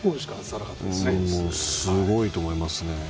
すごいと思います。